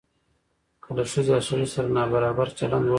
که له ښځې او سړي سره نابرابر چلند ولرو.